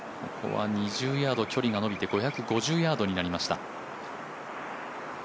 ２０ヤード距離が延びて５５０ヤードになりました。